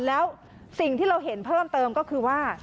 แล้วสิ่งที่เราเห็นเพิ่มเติมก็คือว่า